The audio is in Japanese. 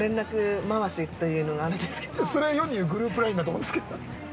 ◆それは世にいうグループＬＩＮＥだと思うんですけど。